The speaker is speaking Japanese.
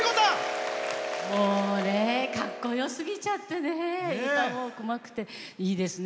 もうねかっこよすぎちゃってね歌もうまくていいですね。